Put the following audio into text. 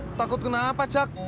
ketakut kenapa cak